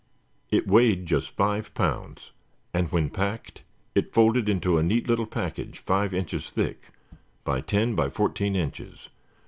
It weighed just five pounds, and when packed, it folded into a neat little package five inches thick by ten by fourteen inches.